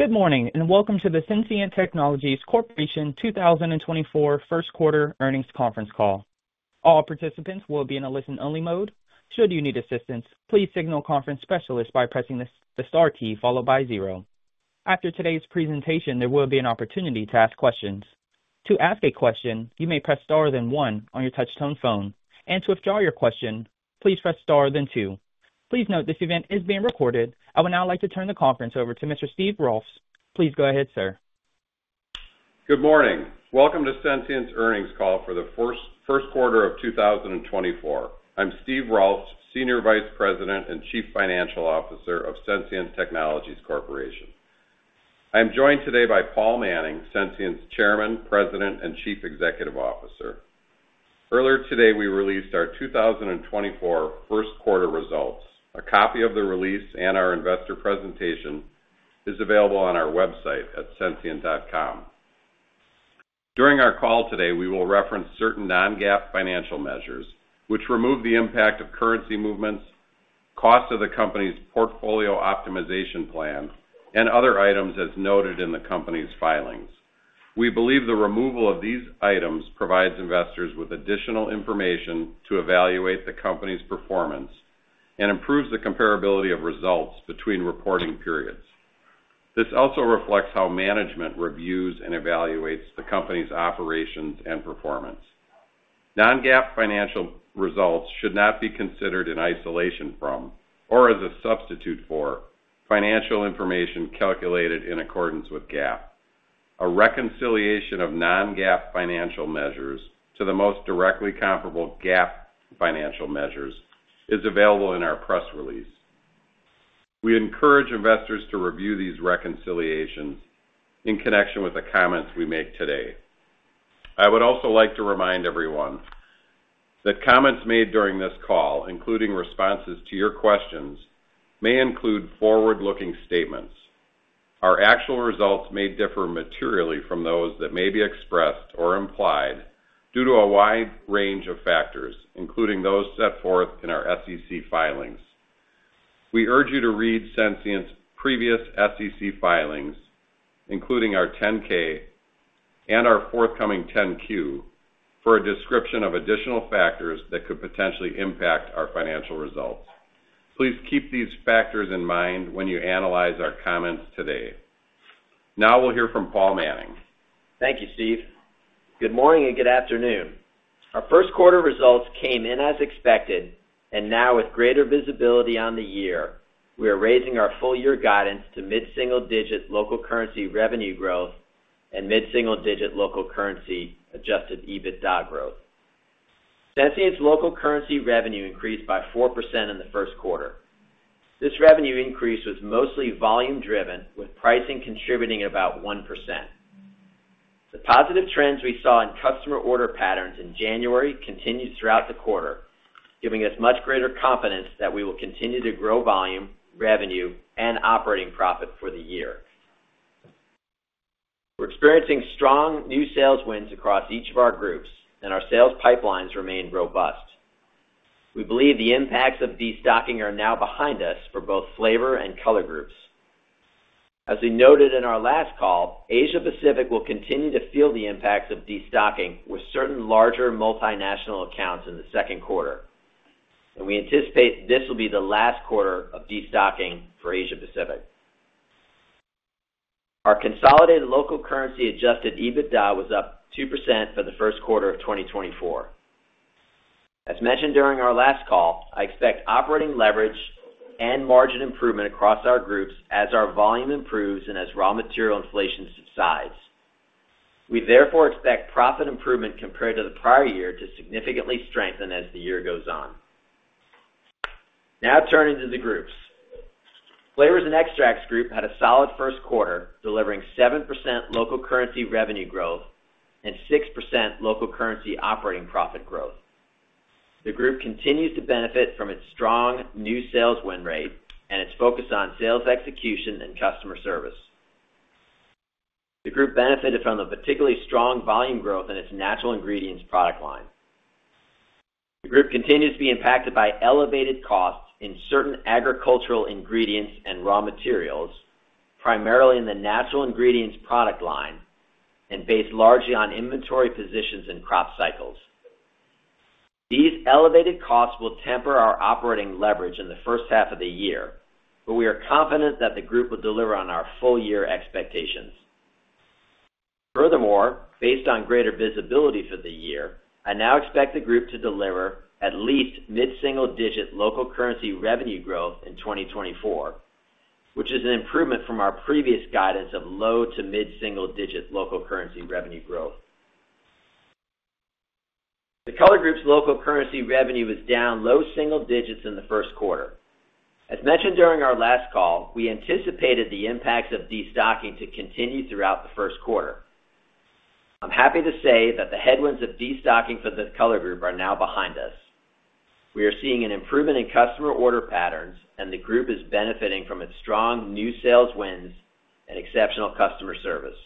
Good morning, and welcome to the Sensient Technologies Corporation 2024 first quarter earnings conference call. All participants will be in a listen-only mode. Should you need assistance, please signal conference specialist by pressing the star key, followed by zero. After today's presentation, there will be an opportunity to ask questions. To ask a question, you may press Star then one on your touchtone phone, and to withdraw your question, please press Star then two. Please note, this event is being recorded. I would now like to turn the conference over to Mr. Steve Rolfs. Please go ahead, sir. Good morning. Welcome to Sensient's earnings call for the first quarter of 2024. I'm Steve Rolfs, Senior Vice President and Chief Financial Officer of Sensient Technologies Corporation. I'm joined today by Paul Manning, Sensient's Chairman, President, and Chief Executive Officer. Earlier today, we released our 2024 first quarter results. A copy of the release and our investor presentation is available on our website at sensient.com. During our call today, we will reference certain non-GAAP financial measures, which remove the impact of currency movements, cost of the company's portfolio optimization plan, and other items as noted in the company's filings. We believe the removal of these items provides investors with additional information to evaluate the company's performance and improves the comparability of results between reporting periods. This also reflects how management reviews and evaluates the company's operations and performance. Non-GAAP financial results should not be considered in isolation from or as a substitute for financial information calculated in accordance with GAAP. A reconciliation of non-GAAP financial measures to the most directly comparable GAAP financial measures is available in our press release. We encourage investors to review these reconciliations in connection with the comments we make today. I would also like to remind everyone that comments made during this call, including responses to your questions, may include forward-looking statements. Our actual results may differ materially from those that may be expressed or implied due to a wide range of factors, including those set forth in our SEC filings. We urge you to read Sensient's previous SEC filings, including our 10-K and our forthcoming 10-Q, for a description of additional factors that could potentially impact our financial results. Please keep these factors in mind when you analyze our comments today. Now we'll hear from Paul Manning. Thank you, Steve. Good morning and good afternoon. Our first quarter results came in as expected, and now with greater visibility on the year, we are raising our full year guidance to mid-single digit local currency revenue growth and mid-single digit local currency Adjusted EBITDA growth. Sensient's local currency revenue increased by 4% in the first quarter. This revenue increase was mostly volume driven, with pricing contributing about 1%. The positive trends we saw in customer order patterns in January continued throughout the quarter, giving us much greater confidence that we will continue to grow volume, revenue, and operating profit for the year. We're experiencing strong new sales wins across each of our groups, and our sales pipelines remain robust. We believe the impacts of destocking are now behind us for both flavor and color groups. As we noted in our last call, Asia Pacific will continue to feel the impacts of destocking with certain larger multinational accounts in the second quarter, and we anticipate this will be the last quarter of destocking for Asia Pacific. Our consolidated local currency Adjusted EBITDA was up 2% for the first quarter of 2024. As mentioned during our last call, I expect operating leverage and margin improvement across our groups as our volume improves and as raw material inflation subsides. We therefore expect profit improvement compared to the prior year to significantly strengthen as the year goes on. Now turning to the groups. Flavors and Extracts Group had a solid first quarter, delivering 7% local currency revenue growth and 6% local currency operating profit growth. The group continues to benefit from its strong new sales win rate and its focus on sales execution and customer service. The group benefited from the particularly strong volume growth in its Natural Ingredients product line. The group continues to be impacted by elevated costs in certain agricultural ingredients and raw materials, primarily in the Natural Ingredients product line, and based largely on inventory positions and crop cycles. These elevated costs will temper our operating leverage in the first half of the year, but we are confident that the group will deliver on our full-year expectations. Furthermore, based on greater visibility for the year, I now expect the group to deliver at least mid-single-digit local currency revenue growth in 2024, which is an improvement from our previous guidance of low- to mid-single-digit local currency revenue growth. The Color Group's local currency revenue was down low-single digits in the first quarter. As mentioned during our last call, we anticipated the impacts of destocking to continue throughout the first quarter. I'm happy to say that the headwinds of destocking for the Color Group are now behind us. We are seeing an improvement in customer order patterns, and the group is benefiting from its strong new sales wins and exceptional customer service.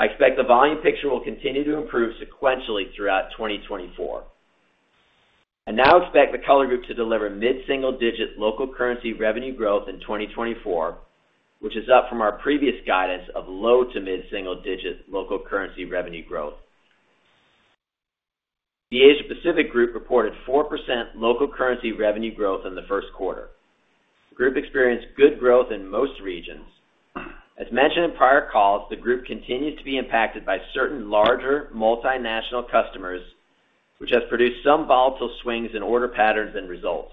I expect the volume picture will continue to improve sequentially throughout 2024. I now expect the Color Group to deliver mid-single-digit local currency revenue growth in 2024, which is up from our previous guidance of low- to mid-single-digit local currency revenue growth. The Asia Pacific Group reported 4% local currency revenue growth in the first quarter. The group experienced good growth in most regions. As mentioned in prior calls, the group continues to be impacted by certain larger multinational customers, which has produced some volatile swings in order patterns and results.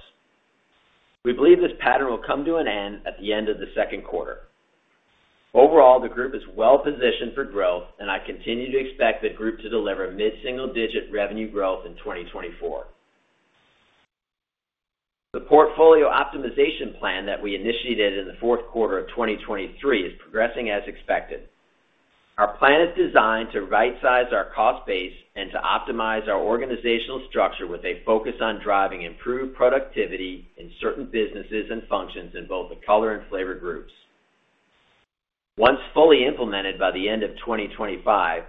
We believe this pattern will come to an end at the end of the second quarter. Overall, the group is well positioned for growth, and I continue to expect the group to deliver mid-single-digit revenue growth in 2024. The portfolio optimization plan that we initiated in the fourth quarter of 2023 is progressing as expected. Our plan is designed to rightsize our cost base and to optimize our organizational structure with a focus on driving improved productivity in certain businesses and functions in both the Color and Flavor Groups. Once fully implemented by the end of 2025,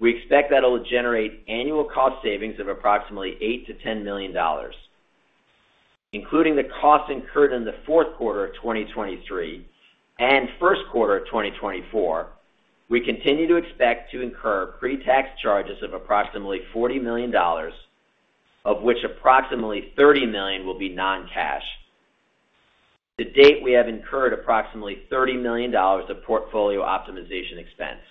we expect that it'll generate annual cost savings of approximately $8 million-$10 million. Including the costs incurred in the fourth quarter of 2023 and first quarter of 2024, we continue to expect to incur pre-tax charges of approximately $40 million, of which approximately $30 million will be non-cash. To date, we have incurred approximately $30 million of portfolio optimization expense.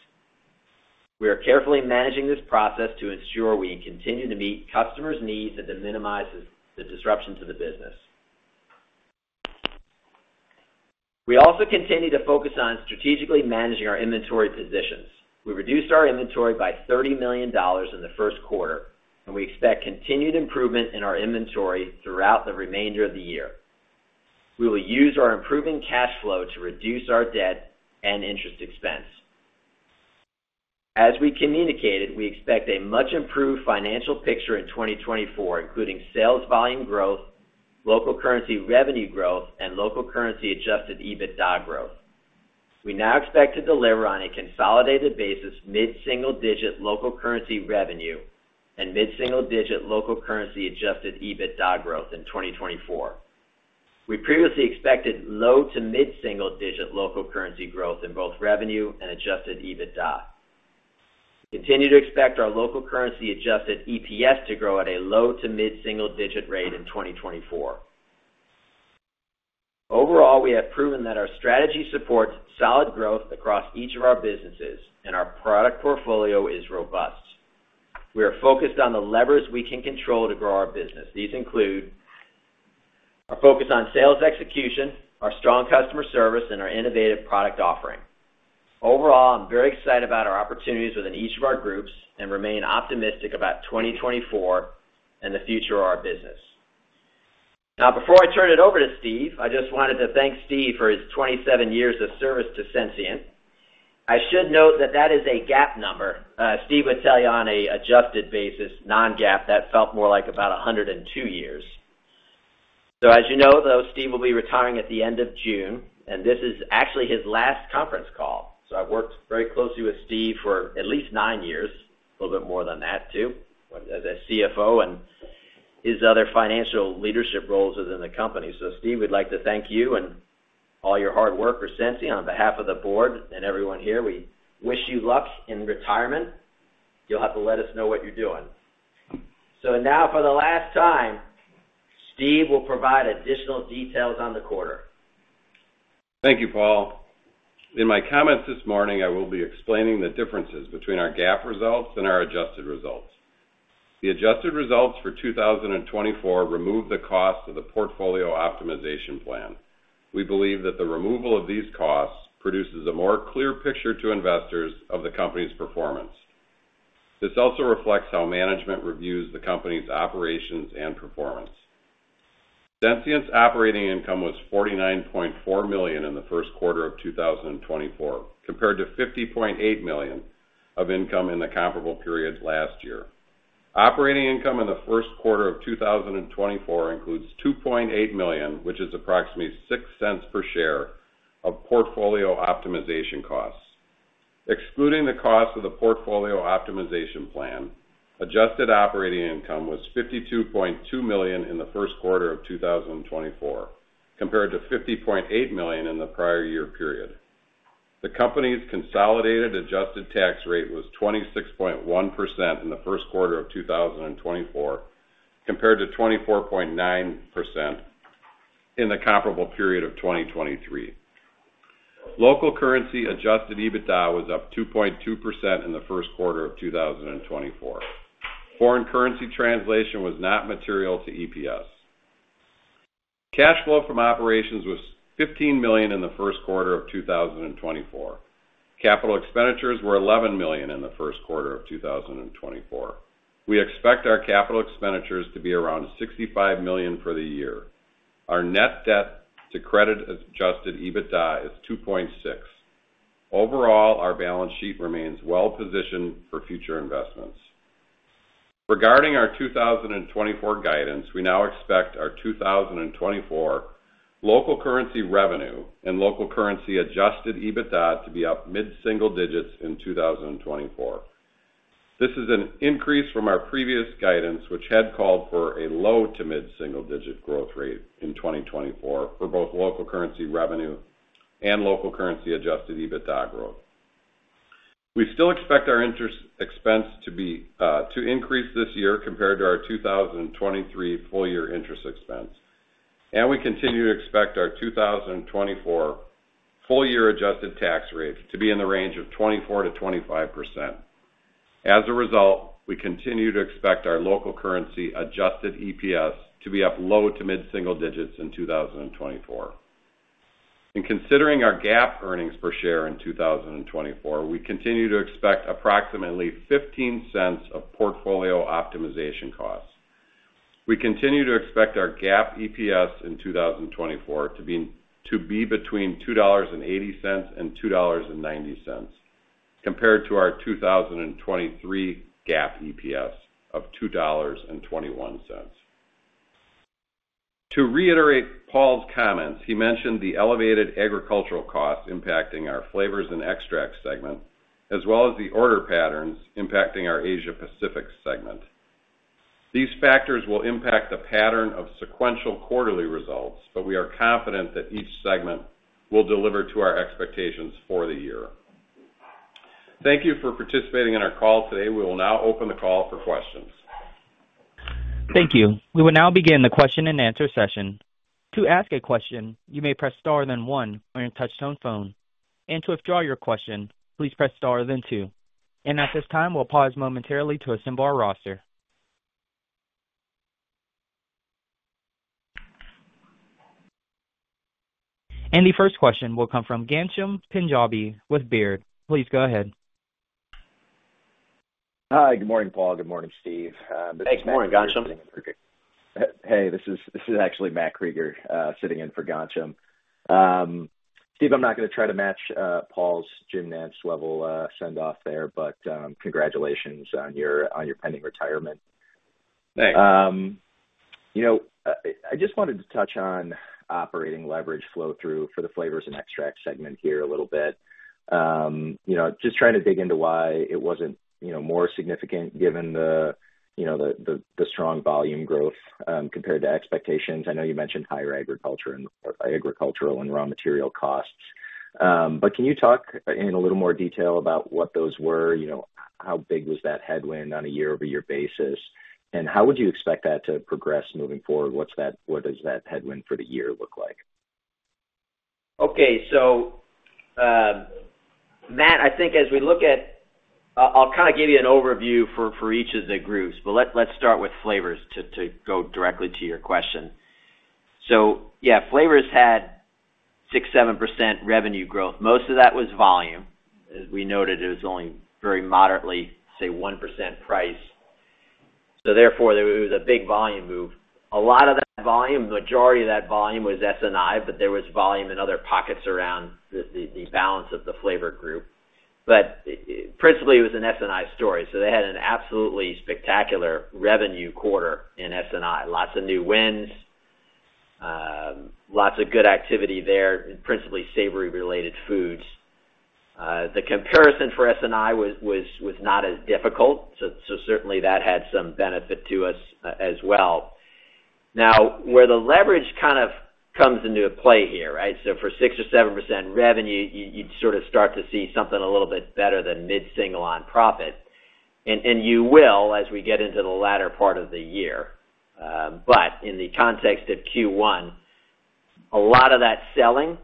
We are carefully managing this process to ensure we continue to meet customers' needs and to minimize the disruption to the business. We also continue to focus on strategically managing our inventory positions. We reduced our inventory by $30 million in the first quarter, and we expect continued improvement in our inventory throughout the remainder of the year. We will use our improving cash flow to reduce our debt and interest expense. As we communicated, we expect a much improved financial picture in 2024, including sales volume growth, local currency revenue growth, and local currency Adjusted EBITDA growth. We now expect to deliver on a consolidated basis, mid-single-digit local currency revenue and mid-single-digit local currency Adjusted EBITDA growth in 2024. We previously expected low to mid-single digit local currency growth in both revenue and Adjusted EBITDA. We continue to expect our local currency adjusted EPS to grow at a low to mid-single digit rate in 2024. Overall, we have proven that our strategy supports solid growth across each of our businesses, and our product portfolio is robust. We are focused on the levers we can control to grow our business. These include our focus on sales execution, our strong customer service, and our innovative product offering. Overall, I'm very excited about our opportunities within each of our groups and remain optimistic about 2024 and the future of our business. Now, before I turn it over to Steve, I just wanted to thank Steve for his 27 years of service to Sensient. I should note that that is a GAAP number. Steve would tell you on an adjusted basis, non-GAAP, that felt more like about 102 years. So as you know, though, Steve will be retiring at the end of June, and this is actually his last conference call. So I've worked very closely with Steve for at least nine years, a little bit more than that, too, but as a CFO and his other financial leadership roles within the company. So Steve, we'd like to thank you and all your hard work for Sensient. On behalf of the board and everyone here, we wish you luck in retirement. You'll have to let us know what you're doing. Now, for the last time, Steve will provide additional details on the quarter. Thank you, Paul. In my comments this morning, I will be explaining the differences between our GAAP results and our adjusted results. The adjusted results for 2024 remove the cost of the portfolio optimization plan. We believe that the removal of these costs produces a more clear picture to investors of the company's performance. This also reflects how management reviews the company's operations and performance. Sensient's operating income was $49.4 million in the first quarter of 2024, compared to $50.8 million of income in the comparable period last year. Operating income in the first quarter of 2024 includes $2.8 million, which is approximately $0.06 per share of portfolio optimization costs. Excluding the cost of the portfolio optimization plan, adjusted operating income was $52.2 million in the first quarter of 2024, compared to $50.8 million in the prior year period. The company's consolidated adjusted tax rate was 26.1% in the first quarter of 2024, compared to 24.9% in the comparable period of 2023. Local currency Adjusted EBITDA was up 2.2% in the first quarter of 2024. Foreign currency translation was not material to EPS. Cash flow from operations was $15 million in the first quarter of 2024. Capital expenditures were $11 million in the first quarter of 2024. We expect our capital expenditures to be around $65 million for the year. Our net debt to Credit Adjusted EBITDA is 2.6%. Overall, our balance sheet remains well positioned for future investments. Regarding our 2024 guidance, we now expect our 2024 local currency revenue and local currency Adjusted EBITDA to be up mid-single digits in 2024. This is an increase from our previous guidance, which had called for a low to mid-single digit growth rate in 2024 for both local currency revenue and local currency Adjusted EBITDA growth. We still expect our interest expense to be, to increase this year compared to our 2023 full year interest expense, and we continue to expect our 2024 full year adjusted tax rates to be in the range of 24%-25%. As a result, we continue to expect our local currency adjusted EPS to be up low to mid-single digits in 2024. In considering our GAAP earnings per share in 2024, we continue to expect approximately $0.15 of portfolio optimization costs. We continue to expect our GAAP EPS in 2024 to be, to be between $2.80 and $2.90, compared to our 2023 GAAP EPS of $2.21. To reiterate Paul's comments, he mentioned the elevated agricultural costs impacting our flavors and extracts segment, as well as the order patterns impacting our Asia Pacific segment. These factors will impact the pattern of sequential quarterly results, but we are confident that each segment will deliver to our expectations for the year. Thank you for participating in our call today. We will now open the call for questions. Thank you. We will now begin the question-and-answer session. To ask a question, you may press star then one on your touchtone phone, and to withdraw your question, please press star then two. At this time, we'll pause momentarily to assemble our roster. The first question will come from Ghansham Panjabi with Baird. Please go ahead. Hi, good morning, Paul. Good morning, Steve. Thanks. Morning, Ghansham. Hey, this is actually Matt Krueger, sitting in for Ghansham. Steve, I'm not gonna try to match Paul's gymnastics level sendoff there, but congratulations on your pending retirement. Thanks. You know, I just wanted to touch on operating leverage flow through for the flavors and extracts segment here a little bit. You know, just trying to dig into why it wasn't, you know, more significant given the, you know, the strong volume growth, compared to expectations. I know you mentioned higher agriculture and agricultural and raw material costs. But can you talk in a little more detail about what those were? You know, how big was that headwind on a year-over-year basis, and how would you expect that to progress moving forward? What does that headwind for the year look like? Okay, so, Matt, I think as we look at... I'll kind of give you an overview for each of the groups, but let's start with flavors to go directly to your question. So yeah, flavors had 6%-7% revenue growth. Most of that was volume. As we noted, it was only very moderately, say, 1% price. So therefore, it was a big volume move. A lot of that volume, majority of that volume was SNI, but there was volume in other pockets around the balance of the flavor group. But principally, it was an SNI story, so they had an absolutely spectacular revenue quarter in SNI. Lots of new wins, lots of good activity there, principally savory-related foods. The comparison for SNI was not as difficult, so certainly that had some benefit to us as well. Now, where the leverage kind of comes into play here, right? So for 6%-7% revenue, you, you'd sort of start to see something a little bit better than mid-single on profit. And, and you will, as we get into the latter part of the year, but in the context of Q1, a lot of that selling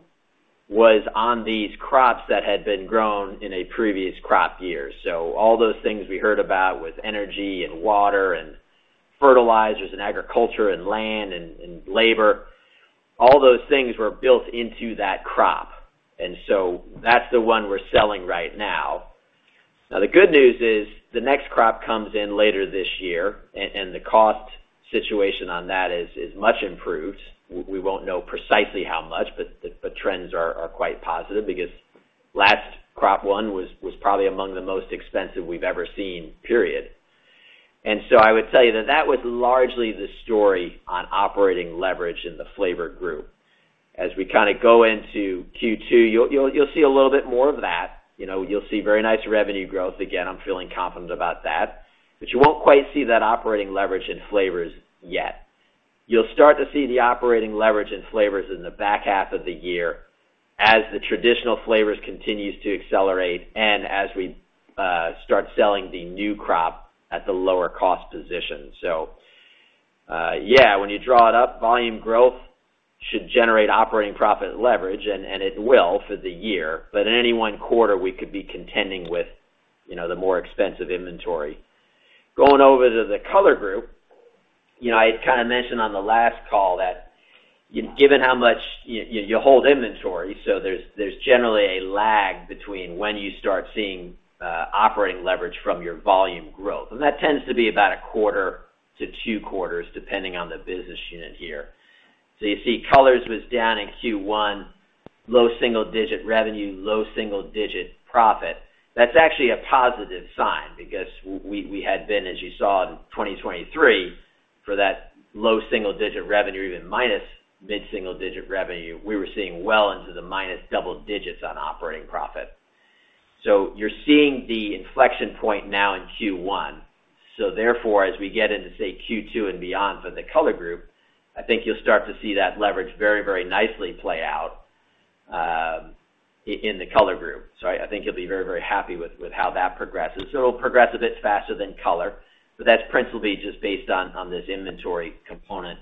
was on these crops that had been grown in a previous crop year. So all those things we heard about with energy and water and fertilizers and agriculture and land and, and labor, all those things were built into that crop, and so that's the one we're selling right now. Now, the good news is, the next crop comes in later this year, and, and the cost situation on that is, is much improved. We won't know precisely how much, but the trends are quite positive because last crop one was probably among the most expensive we've ever seen, period. And so I would tell you that that was largely the story on operating leverage in the flavor group. As we kinda go into Q2, you'll see a little bit more of that. You know, you'll see very nice revenue growth. Again, I'm feeling confident about that, but you won't quite see that operating leverage in flavors yet. You'll start to see the operating leverage in flavors in the back half of the year as the traditional flavors continues to accelerate and as we start selling the new crop at the lower cost position. So, yeah, when you draw it up, volume growth should generate operating profit leverage, and it will for the year, but in any one quarter, we could be contending with, you know, the more expensive inventory. Going over to the color group, you know, I kind of mentioned on the last call that given how much you hold inventory, so there's generally a lag between when you start seeing operating leverage from your volume growth, and that tends to be about a quarter to two quarters, depending on the business unit here. So you see, colors was down in Q1, low single-digit revenue, low single-digit profit. That's actually a positive sign because we had been, as you saw in 2023, for that low single-digit revenue, even minus mid-single-digit revenue, we were seeing well into the minus double digits on operating profit. So you're seeing the inflection point now in Q1. So therefore, as we get into, say, Q2 and beyond for the Color Group, I think you'll start to see that leverage very, very nicely play out in the Color Group. So I think you'll be very, very happy with how that progresses. So it'll progress a bit faster than color, but that's principally just based on this inventory component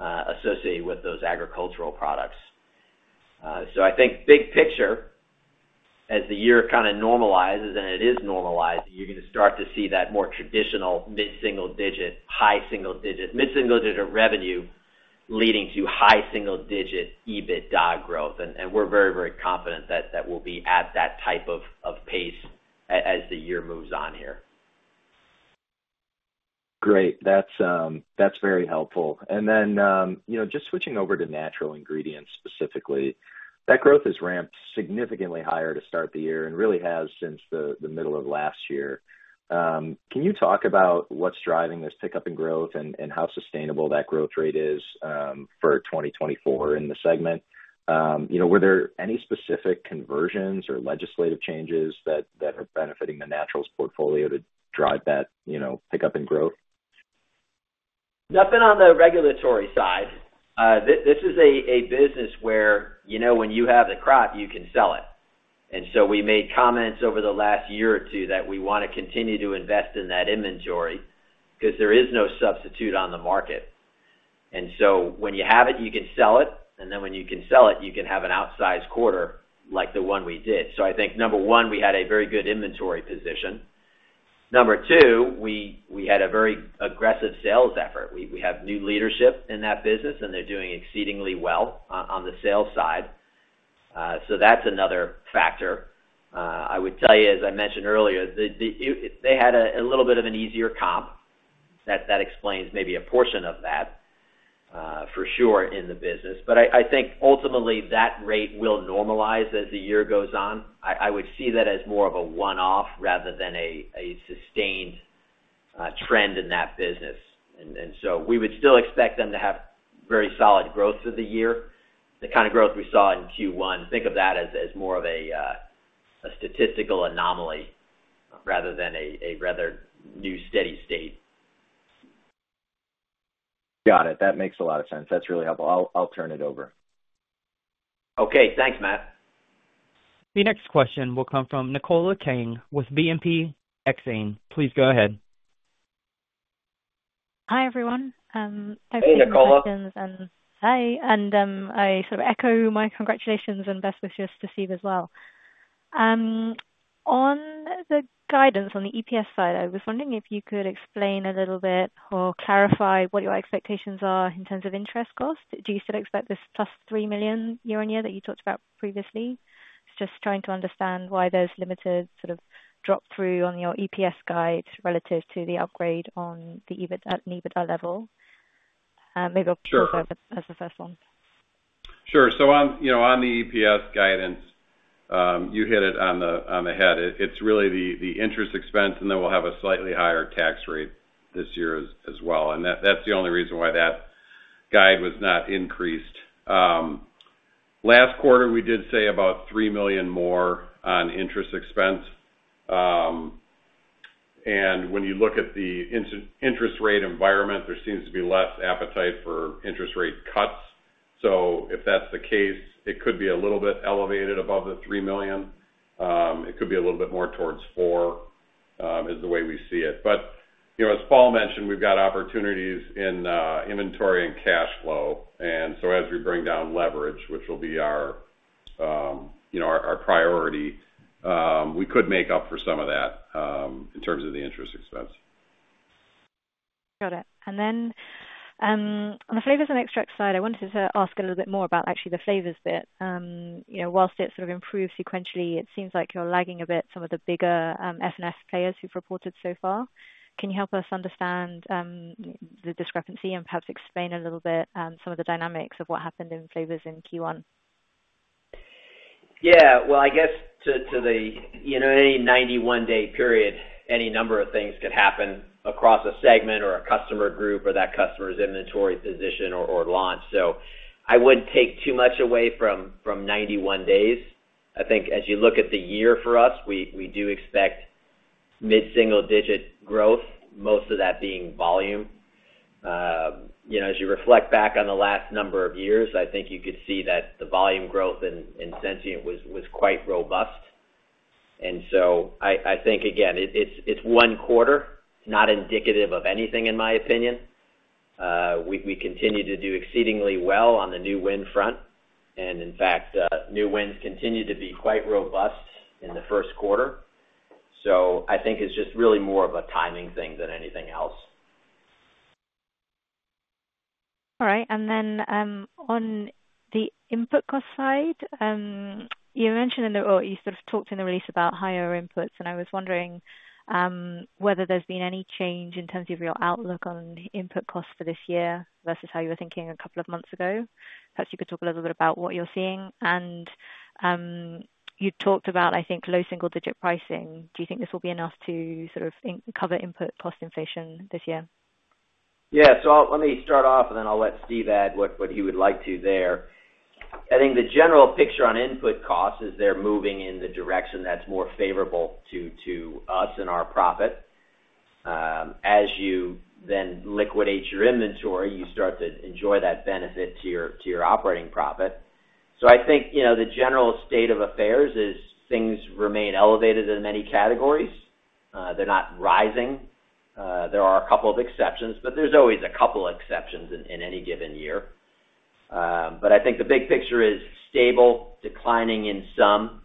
associated with those agricultural products. So I think big picture, as the year kind of normalizes, and it is normalizing, you're gonna start to see that more traditional mid-single digit, high single digit... mid-single digit revenue leading to high single digit EBITDA growth. And we're very, very confident that that will be at that type of pace as the year moves on here. Great. That's very helpful. And then, you know, just switching over to Natural Ingredients specifically, that growth has ramped significantly higher to start the year and really has since the middle of last year. Can you talk about what's driving this pickup in growth and how sustainable that growth rate is for 2024 in the segment? You know, were there any specific conversions or legislative changes that are benefiting the naturals portfolio to drive that, you know, pickup in growth? Nothing on the regulatory side. This is a business where, you know, when you have the crop, you can sell it. And so we made comments over the last year or two that we wanna continue to invest in that inventory, 'cause there is no substitute on the market. And so when you have it, you can sell it, and then when you can sell it, you can have an outsized quarter like the one we did. So I think, number one, we had a very good inventory position. Number two, we had a very aggressive sales effort. We have new leadership in that business, and they're doing exceedingly well on the sales side. So that's another factor. I would tell you, as I mentioned earlier, they had a little bit of an easier comp. That explains maybe a portion of that, for sure in the business. But I think ultimately that rate will normalize as the year goes on. I would see that as more of a one-off rather than a sustained trend in that business. And so we would still expect them to have very solid growth through the year, the kind of growth we saw in Q1. Think of that as more of a statistical anomaly rather than a rather new steady state. Got it. That makes a lot of sense. That's really helpful. I'll, I'll turn it over. Okay. Thanks, Matt. The next question will come from Nicola Tang with BNP Exane. Please go ahead. Hi, everyone. Hey, Nicola. Hi, and, I sort of echo my congratulations and best wishes to Steve as well. On the guidance on the EPS side, I was wondering if you could explain a little bit or clarify what your expectations are in terms of interest costs. Do you still expect this +$3 million year-on-year that you talked about previously? Just trying to understand why there's limited sort of drop through on your EPS guide relative to the upgrade on the EBIT at an EBITDA level. Maybe I'll- Sure. Start with that as the first one. Sure. So on, you know, on the EPS guidance, you hit it on the, on the head. It, it's really the, the interest expense, and then we'll have a slightly higher tax rate this year as, as well. And that, that's the only reason why that guide was not increased. Last quarter, we did say about $3 million more on interest expense. And when you look at the interest rate environment, there seems to be less appetite for interest rate cuts. So if that's the case, it could be a little bit elevated above the $3 million. It could be a little bit more towards $4 million, is the way we see it. But, you know, as Paul mentioned, we've got opportunities in inventory and cash flow, and so as we bring down leverage, which will be our, you know, our priority, we could make up for some of that in terms of the interest expense. Got it. And then, on the flavors and extracts side, I wanted to ask a little bit more about actually the flavors bit. You know, while it sort of improved sequentially, it seems like you're lagging a bit, some of the bigger F&F players who've reported so far. Can you help us understand the discrepancy and perhaps explain a little bit some of the dynamics of what happened in flavors in Q1? Yeah. Well, I guess to the, you know, any 91-day period, any number of things could happen across a segment or a customer group or that customer's inventory position or launch. So I wouldn't take too much away from 91 days. I think as you look at the year for us, we do expect mid-single digit growth, most of that being volume. You know, as you reflect back on the last number of years, I think you could see that the volume growth in Sensient was quite robust. And so I think, again, it's one quarter, not indicative of anything, in my opinion. We continue to do exceedingly well on the new win front, and in fact, new wins continued to be quite robust in the first quarter. So I think it's just really more of a timing thing than anything else. All right. And then, on the input cost side, you mentioned in the, or you sort of talked in the release about higher inputs, and I was wondering, whether there's been any change in terms of your outlook on input costs for this year versus how you were thinking a couple of months ago. Perhaps you could talk a little bit about what you're seeing. And, you talked about, I think, low single digit pricing. Do you think this will be enough to sort of cover input cost inflation this year? Yeah. So let me start off, and then I'll let Steve add what, what he would like to there. I think the general picture on input costs is they're moving in the direction that's more favorable to, to us and our profit. As you then liquidate your inventory, you start to enjoy that benefit to your, to your operating profit. So I think, you know, the general state of affairs is things remain elevated in many categories. They're not rising. There are a couple of exceptions, but there's always a couple exceptions in, in any given year. But I think the big picture is stable, declining in some.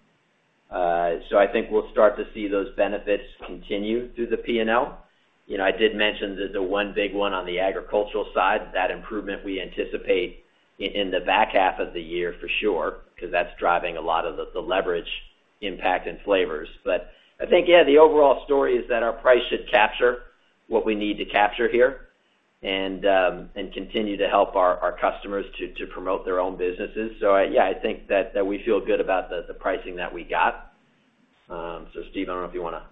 So I think we'll start to see those benefits continue through the P&L. You know, I did mention there's a one big one on the agricultural side. That improvement we anticipate in the back half of the year, for sure, because that's driving a lot of the leverage impact in flavors. But I think, yeah, the overall story is that our price should capture what we need to capture here and continue to help our customers to promote their own businesses. So, yeah, I think that we feel good about the pricing that we got. So Steve, I don't know if you wanna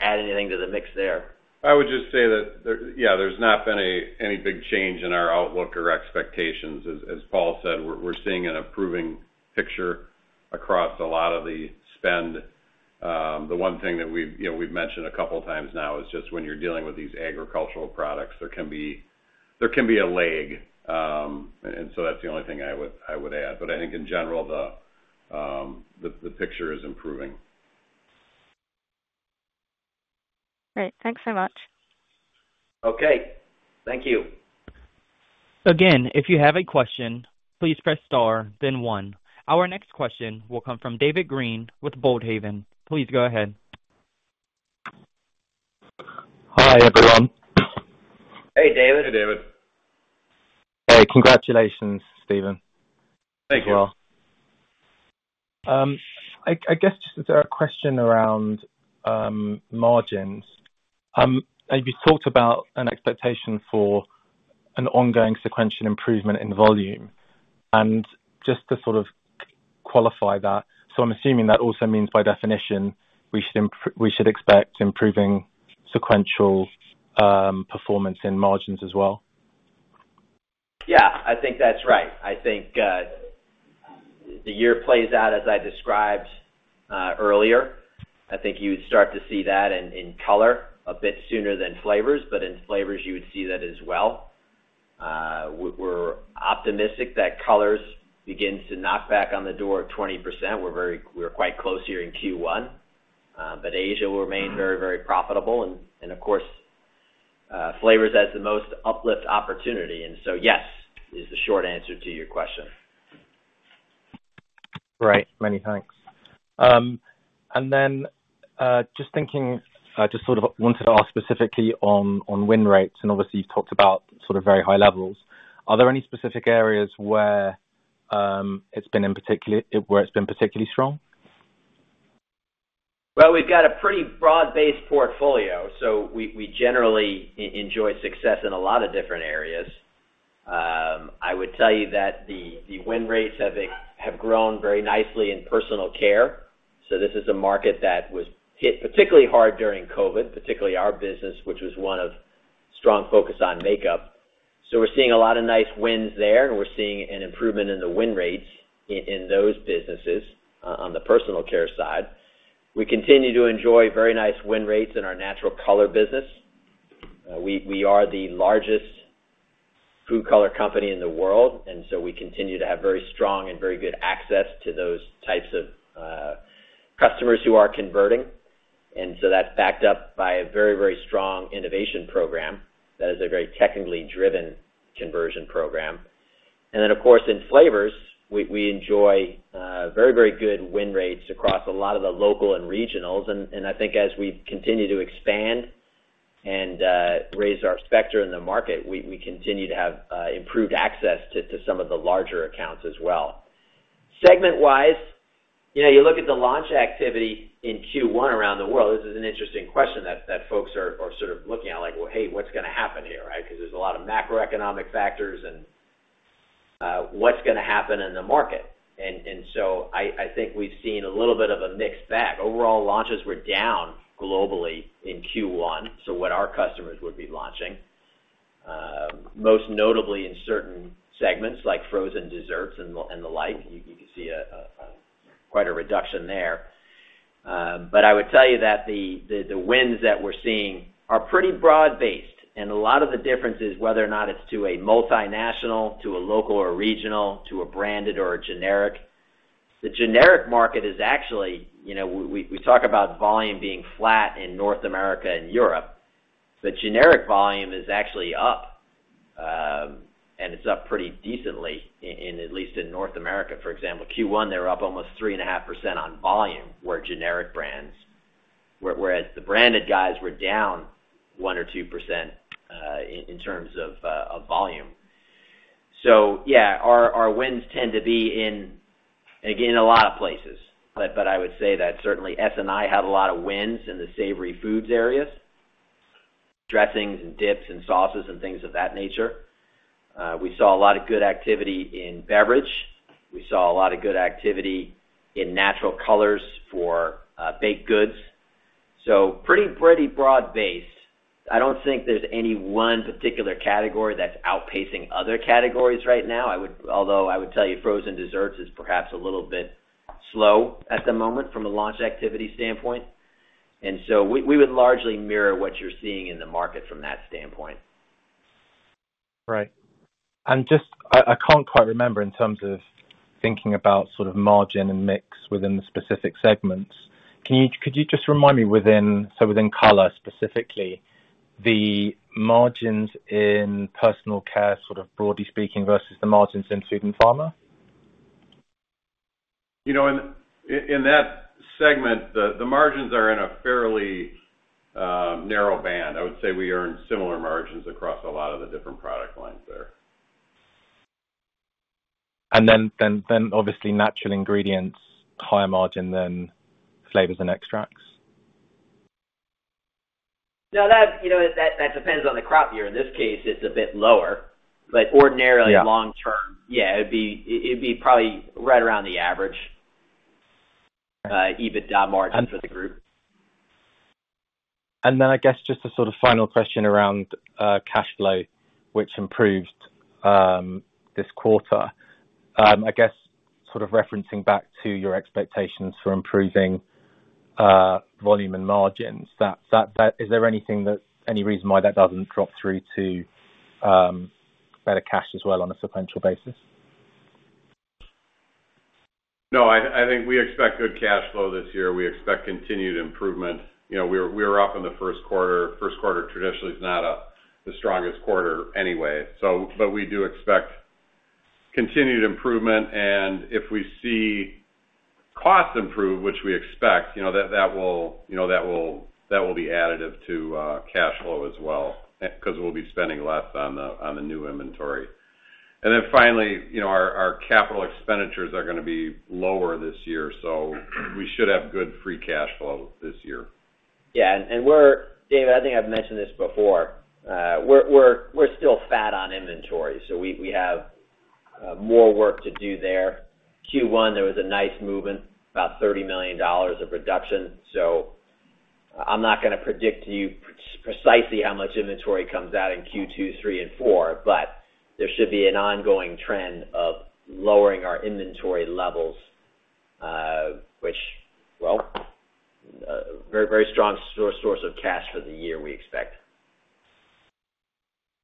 add anything to the mix there. I would just say that yeah, there's not been any big change in our outlook or expectations. As Paul said, we're seeing an improving picture across a lot of the spend. The one thing that we've, you know, we've mentioned a couple of times now is just when you're dealing with these agricultural products, there can be a lag. And so that's the only thing I would add. But I think in general, the picture is improving. Great. Thanks so much. Okay, thank you. Again, if you have a question, please press star, then one. Our next question will come from David Green with Boldhaven. Please go ahead. Hi, everyone. Hey, David. Hey, David. Hey, congratulations, Stephen. Thank you. I guess just a question around margins. You talked about an expectation for an ongoing sequential improvement in volume, and just to sort of qualify that, so I'm assuming that also means, by definition, we should expect improving sequential performance in margins as well? Yeah, I think that's right. I think the year plays out as I described earlier. I think you would start to see that in color a bit sooner than flavors, but in flavors, you would see that as well. We're optimistic that colors begins to knock back on the door of 20%. We're very, we're quite close here in Q1, but Asia will remain very, very profitable, and of course, flavors has the most uplift opportunity. And so, yes, is the short answer to your question. Great, many thanks. And then, just thinking, just sort of wanted to ask specifically on win rates, and obviously you've talked about sort of very high levels. Are there any specific areas where it's been in particular, where it's been particularly strong? Well, we've got a pretty broad-based portfolio, so we generally enjoy success in a lot of different areas. I would tell you that the win rates have grown very nicely in personal care. So this is a market that was hit particularly hard during COVID, particularly our business, which was one of strong focus on makeup. So we're seeing a lot of nice wins there, and we're seeing an improvement in the win rates in those businesses on the personal care side. We continue to enjoy very nice win rates in our natural color business. We are the largest food color company in the world, and so we continue to have very strong and very good access to those types of customers who are converting. And so that's backed up by a very, very strong innovation program. That is a very technically driven conversion program. And then, of course, in flavors, we enjoy very, very good win rates across a lot of the local and regionals. And I think as we continue to expand and raise our stature in the market, we continue to have improved access to some of the larger accounts as well. Segment-wise, you know, you look at the launch activity in Q1 around the world, this is an interesting question that folks are sort of looking at, like, "Well, hey, what's gonna happen here?" Right? Because there's a lot of macroeconomic factors, and what's gonna happen in the market? And so I think we've seen a little bit of a mixed bag. Overall, launches were down globally in Q1, so what our customers would be launching, most notably in certain segments like frozen desserts and the like. You can see quite a reduction there. But I would tell you that the wins that we're seeing are pretty broad-based, and a lot of the difference is whether or not it's to a multinational, to a local or regional, to a branded or a generic. The generic market is actually... You know, we talk about volume being flat in North America and Europe. The generic volume is actually up, and it's up pretty decently in North America, for example, Q1, they were up almost 3.5% on volume, were generic brands. Whereas the branded guys were down 1% or 2% in terms of of volume. So yeah, our wins tend to be in, again, a lot of places. But I would say that certainly SNI have a lot of wins in the savory foods areas, dressings and dips and sauces and things of that nature. We saw a lot of good activity in beverage. We saw a lot of good activity in natural colors for baked goods. So pretty broad-based. I don't think there's any one particular category that's outpacing other categories right now. I would, although I would tell you, frozen desserts is perhaps a little bit slow at the moment from a launch activity standpoint, and so we would largely mirror what you're seeing in the market from that standpoint. Right. And just... I can't quite remember in terms of thinking about sort of margin and mix within the specific segments. Can you, could you just remind me within, so within color, specifically, the margins in personal care, sort of broadly speaking, versus the margins in food and pharma? You know, in that segment, the margins are in a fairly narrow band. I would say we earn similar margins across a lot of the different product lines there. And then obviously, Natural Ingredients, higher margin than flavors and extracts? No, you know, that depends on the crop year. In this case, it's a bit lower, but ordinarily- Yeah. Long term, yeah, it'd be, it'd be probably right around the average EBITDA margin for the group. And then I guess just a sort of final question around cash flow, which improved this quarter. I guess sort of referencing back to your expectations for improving volume and margins. Is there anything, any reason why that doesn't drop through to better cash as well on a sequential basis? No, I think we expect good cash flow this year. We expect continued improvement. You know, we were up in the first quarter. First quarter traditionally is not the strongest quarter anyway. So, but we do expect continued improvement, and if we see costs improve, which we expect, you know, that will, you know, that will be additive to cash flow as well, 'cause we'll be spending less on the new inventory. And then finally, you know, our capital expenditures are gonna be lower this year, so we should have good free cash flow this year. Yeah, and we're... David, I think I've mentioned this before, we're still fat on inventory, so we have more work to do there. Q1, there was a nice movement, about $30 million of reduction, so I'm not gonna predict to you precisely how much inventory comes out in Q2, three and four, but there should be an ongoing trend of lowering our inventory levels, which, well, very strong source of cash for the year, we expect.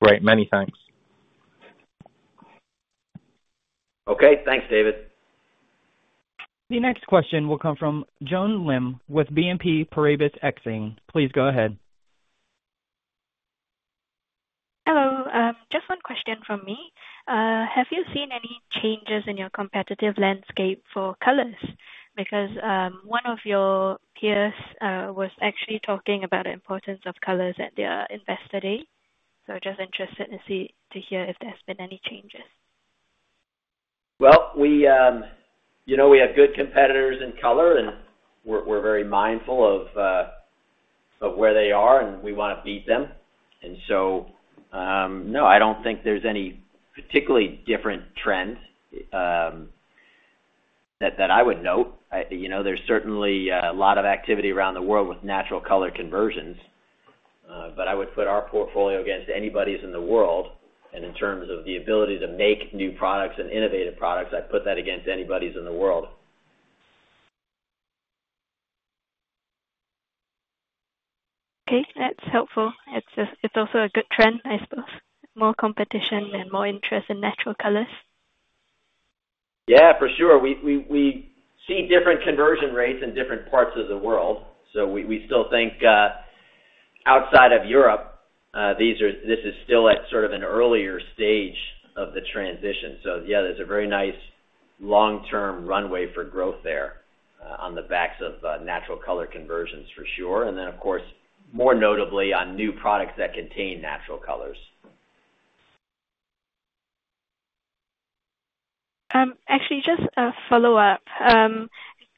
Great. Many thanks. Okay. Thanks, David. The next question will come from Joan Lim with BNP Paribas Exane. Please go ahead. Hello. Just one question from me. Have you seen any changes in your competitive landscape for colors? Because one of your peers was actually talking about the importance of colors at their Investor Day. So just interested to see, to hear if there's been any changes. Well, we, you know, we have good competitors in color, and we're very mindful of where they are, and we wanna beat them. And so, no, I don't think there's any particularly different trends that I would note. You know, there's certainly a lot of activity around the world with natural color conversions, but I would put our portfolio against anybody's in the world, and in terms of the ability to make new products and innovative products, I'd put that against anybody's in the world. Okay, that's helpful. It's just, it's also a good trend, I suppose. More competition and more interest in natural colors. Yeah, for sure. We see different conversion rates in different parts of the world, so we still think, outside of Europe, these are... This is still at sort of an earlier stage of the transition. So yeah, there's a very nice long-term runway for growth there, on the backs of, natural color conversions for sure, and then, of course, more notably, on new products that contain natural colors. Actually, just a follow-up.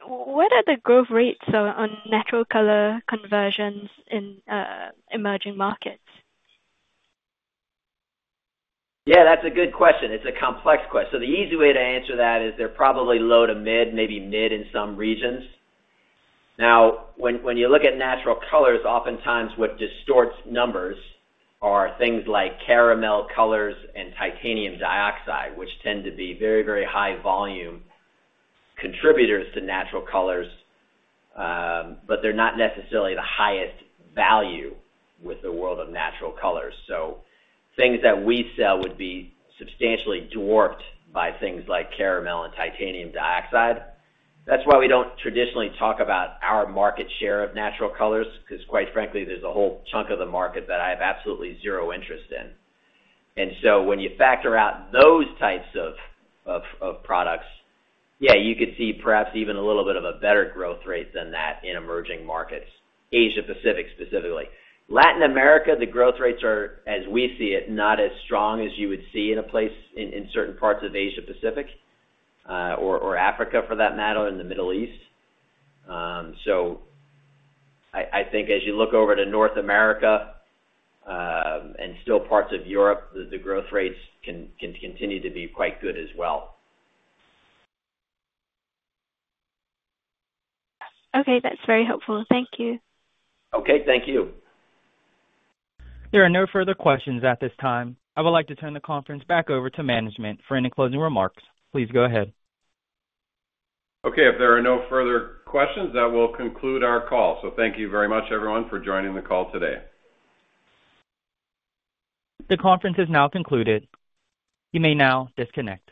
What are the growth rates on, on natural color conversions in emerging markets? Yeah, that's a good question. It's a complex question. So the easy way to answer that is they're probably low to mid, maybe mid in some regions. Now, when you look at natural colors, oftentimes what distorts numbers are things like caramel colors and titanium dioxide, which tend to be very, very high volume contributors to natural colors, but they're not necessarily the highest value with the world of natural colors. So things that we sell would be substantially dwarfed by things like caramel and titanium dioxide. That's why we don't traditionally talk about our market share of natural colors, 'cause quite frankly, there's a whole chunk of the market that I have absolutely zero interest in. And so when you factor out those types of products, yeah, you could see perhaps even a little bit of a better growth rate than that in emerging markets, Asia Pacific, specifically. Latin America, the growth rates are, as we see it, not as strong as you would see in certain parts of Asia Pacific, or Africa, for that matter, or in the Middle East. So I think as you look over to North America, and still parts of Europe, the growth rates can continue to be quite good as well. Okay. That's very helpful. Thank you. Okay, thank you. There are no further questions at this time. I would like to turn the conference back over to management for any closing remarks. Please go ahead. Okay, if there are no further questions, that will conclude our call. Thank you very much, everyone, for joining the call today. The conference is now concluded. You may now disconnect.